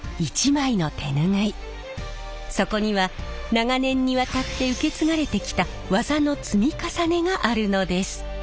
そこには長年にわたって受け継がれてきた技の積み重ねがあるのです。